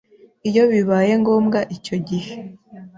Iyo bibaye ngombwa icyo gihe